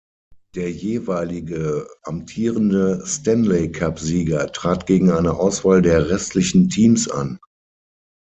Der jeweilige amtierende Stanley-Cup-Sieger trat gegen eine Auswahl der restlichen Teams an.